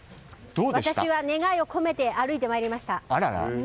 私は願いを込めて歩いてまいりました。